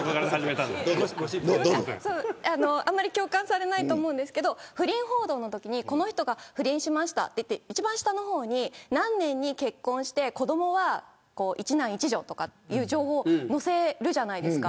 あんまり共感されないと思うんですけど不倫報道のときにこの人が不倫しましたと出て一番下の方に何年に結婚して子どもは一男一女とかいう情報を載せるじゃないですか。